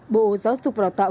bộ giáo dục và đào tạo